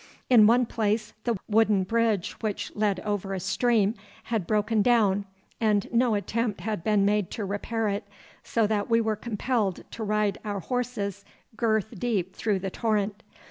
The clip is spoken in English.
In one place the wooden bridge which led over a stream had broken down, and no attempt had been made to repair it, so that we were compelled to ride our horses girth deep through the torrent.